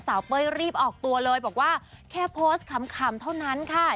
เป้ยรีบออกตัวเลยบอกว่าแค่โพสต์ขำเท่านั้นค่ะ